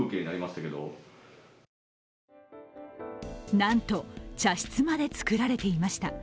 なんと茶室まで造られていました。